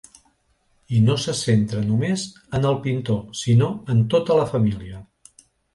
I no se centra només en el pintor sinó en tota la família.